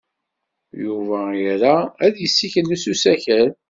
Yuba ira ad yessikel s usakal.